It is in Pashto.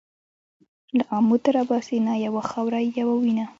له آمو تر اباسینه یوه خاوره یو وینه